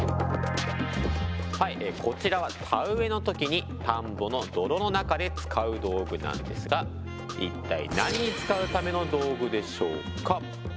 はいこちらは田植えの時に田んぼの泥の中で使う道具なんですが一体何に使うための道具でしょうか。